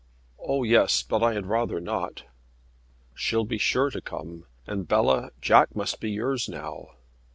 "Oh, yes. But I had rather not." "She'll be sure to come. And, Bella, Jack must be yours now."